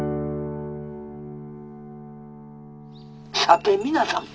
「さて皆さん。